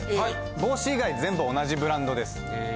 帽子以外全部同じブランドです。